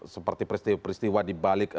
seperti peristiwa di balik